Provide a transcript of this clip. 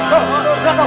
tuh udah tuh